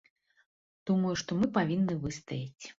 Думаю, што мы павінны выстаяць.